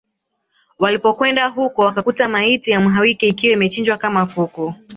Walipokwenda huko wakakuta maiti ya Mhalwike ikiwa imechinjwa kama kuku